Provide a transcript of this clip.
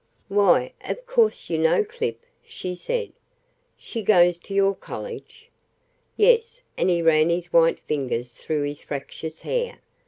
"Why, of course you know Clip," she said. "She goes to your college." "Yes," and he ran his white fingers through his "fractious" hair.